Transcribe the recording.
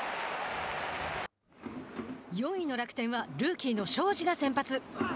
４位の楽天はルーキーの荘司が先発。